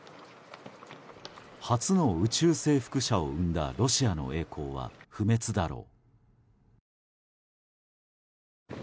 初の宇宙征服者を生んだロシアの栄光は不滅だろう。